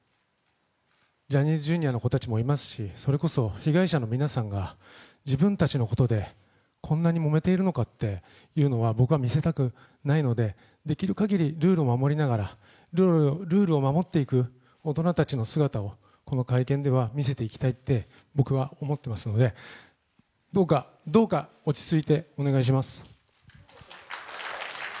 ジャニーズＪｒ．の子たちもいますし、それこそ被害者の皆さんが自分たちのことでこんなにもめているのかっていうのは、僕は見せたくないのでできるかぎりルールを守りながらルールを守っていく大人たちの姿をこの会見では見せていきたいと僕は思っていますので、どうか、どうか落ち着いてお願いします。